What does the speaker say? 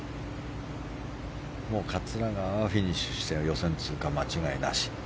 桂川はフィニッシュして予選通過、間違いなし。